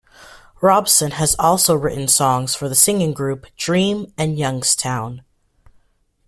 Robson has also written songs for the singing groups Dream and Youngstown.